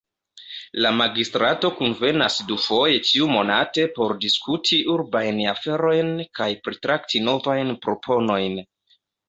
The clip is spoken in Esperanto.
La Magistrato kunvenas dufoje ĉiu-monate por diskuti urbajn aferojn kaj pritrakti novajn proponojn.